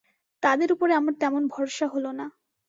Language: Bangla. তাদের ওপরে আমার তেমন ভরসা হল না।